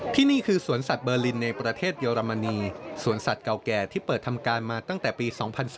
ที่นี่คือสวนสัตว์เบอร์ลินในประเทศเยอรมนีสวนสัตว์เก่าแก่ที่เปิดทำการมาตั้งแต่ปี๒๓